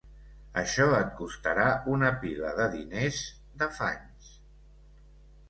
Això et costarà una pila de diners, d'afanys.